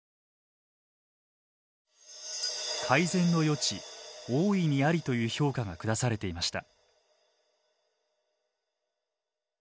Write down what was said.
「改善の余地大いにあり」という評価が下されていました。